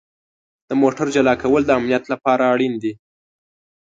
د موټر جلا کول د امنیت لپاره اړین دي.